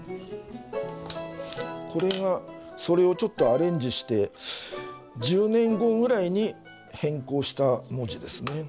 これがそれをちょっとアレンジして１０年後ぐらいに変更した文字ですね。